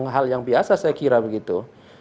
hal yang biasa saya kira begitu